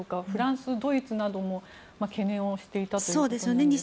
フランス、ドイツなども懸念をしていたということですが。